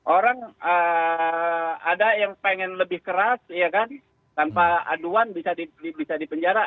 orang ada yang pengen lebih keras tanpa aduan bisa dipenjara